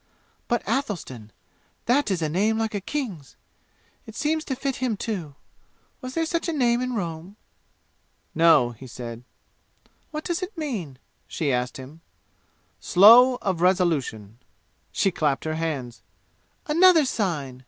But, Athelstan! That is a name like a king's! It seems to fit him, too! Was there such a name, in Rome?" "No," he said. "What does it mean?" she asked him. "Slow of resolution!" She clapped her hands. "Another sign!"